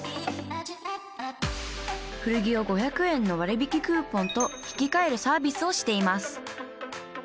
古着を５００円の割引クーポンと引き換えるサービスをしています！